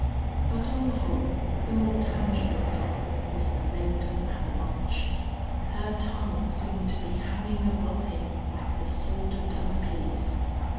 But on the whole the more tangible trouble was the Mendham avalanche. Her tongue seemed to be hanging above him like the sword of Damocles.